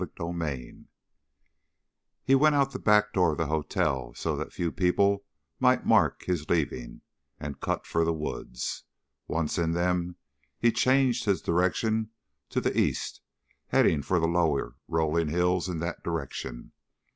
CHAPTER 13 He went out the back door of the hotel so that few people might mark his leaving, and cut for the woods. Once in them, he changed his direction to the east, heading for the lower, rolling hills in that direction.